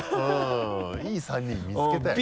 いい３人見つけたよね。